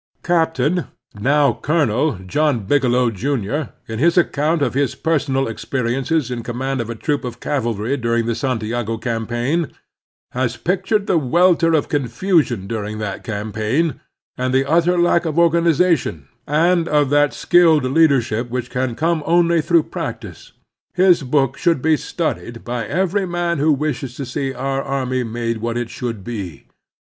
Captain (now Colonel) John Bigelow, Jr., in his account of his personal experiences in command of a troop of cavalry during the Santiago cam paign, has pictured the welter of confusion during that campaign, and the utter lack of organization, and of that skilled leadership which can come only through practice. His book should be studied by every man who wishes to see our army made what it should be.